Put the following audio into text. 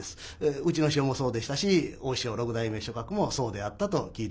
うちの師匠もそうでしたし大師匠六代目松鶴もそうであったと聞いております。